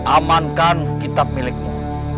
amankan kitab milikmu